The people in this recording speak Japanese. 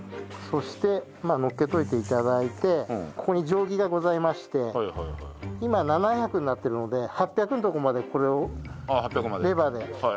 そしてまあのっけといて頂いてここに定規がございまして今７００になってるので８００のとこまでこれをレバーで。